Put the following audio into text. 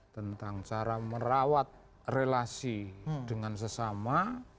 tentang cara merawat relasi dengan sesama